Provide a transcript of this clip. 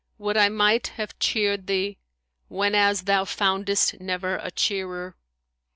Would I might have cheered thee, whenas thou foundest never a cheerer!'